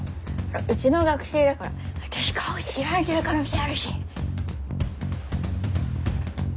うちの学生だから私顔知られてる可能性あるし。